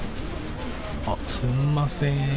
あっ、すみません。